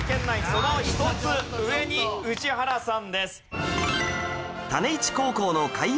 その１つ上に宇治原さんです。